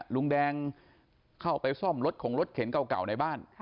ลุงแดงเข้าไปซ่อมรถของรถเข็นเก่าในบ้าน